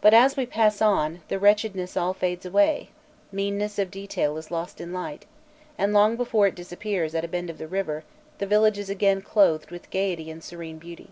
But, as we pass on, the wretchedness all fades away; meanness of detail is lost in light, and long before it disappears at a bend of the river, the village is again clothed with gaiety and serene beauty.